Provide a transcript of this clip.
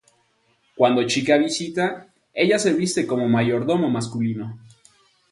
Cuando Chika visita, ella se viste como mayordomo masculino.